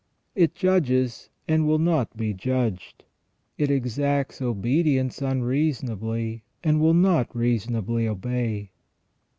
It judges, and will not be judged ; it exacts obedience unreasonably, and will not reasonably obey.